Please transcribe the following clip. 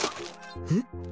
えっ？